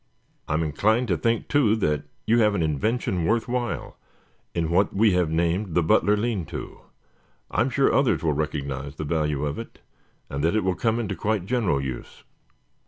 "I am inclined to think, too, that you have an invention worth while in what we have named the 'Butler Lean to.' I am sure others will recognize the value of it and that it will come into quite general use."